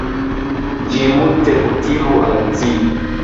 Ĝi multe utilu al ci!